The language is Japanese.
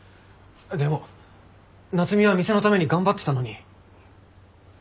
でも夏海は店のために頑張ってたのに。